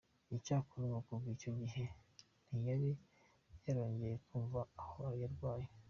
Icyakora ngo kuva icyo gihe ntiyari yarongeye kumva aho yarwanye.